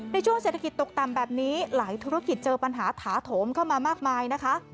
ในช่วงเศรษฐกิจตกต่ำแบบนี้หลายธุรกิจเจอปัญหาถาโถมเข้ามามากมายนะคะ